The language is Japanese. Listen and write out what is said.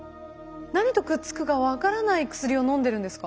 何とくっつくか分からない薬をのんでるんですか？